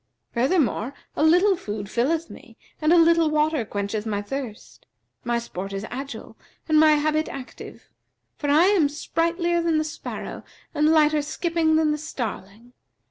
'[FN#374] Furthermore a little food filleth me and a little water quencheth my thirst; my sport is agile and my habit active; for I am sprightlier than the sparrow and lighter skipping than the starling.